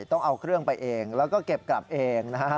ต้องเอาเครื่องไปเองแล้วก็เก็บกลับเองนะฮะ